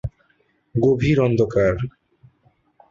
গভীর অন্ধকার।